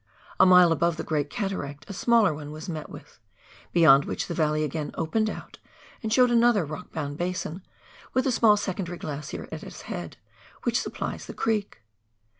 A mile above the great cataract a smaller one. was met with, beyond which the valley again opened out and showed another rock bound basin, with a small secondary glacier at its head, which supplies the creek.